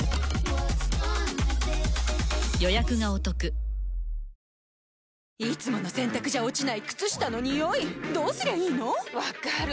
本麒麟いつもの洗たくじゃ落ちない靴下のニオイどうすりゃいいの⁉分かる。